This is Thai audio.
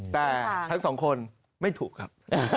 แต่ทั้งสองคนไม่ถูกครับ